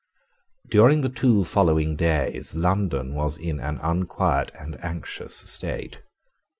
During the two following days London was in an unquiet and anxious state.